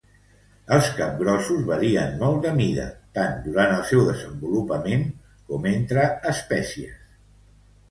Els capgrossos varien molt de mida, tant durant el seu desenvolupament com entre espècies.